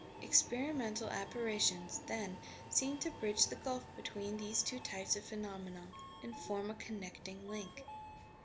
Experimental apparitions, then, seem to bridge the gulf between these two types of phenomena, and form a connecting link.